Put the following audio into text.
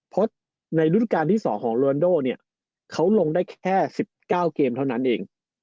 เพราะในรุ่นการที่๒ของโรนโดเนี่ยเขาลงได้แค่๑๙เกมเท่านั้นเอง